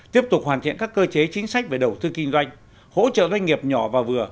tiếp tục hoàn thiện các cơ chế chính sách về đầu tư kinh doanh hỗ trợ doanh nghiệp nhỏ và vừa